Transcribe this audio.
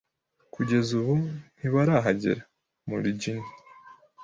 Kugeza ubu, ntibarahagera. (morgyn)